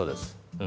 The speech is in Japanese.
うん。